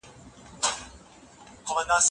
هغه له بېديني ښځي سره نکاح ونکړه.